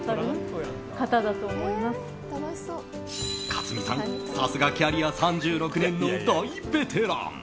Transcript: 克実さん、さすがキャリア３６年の大ベテラン。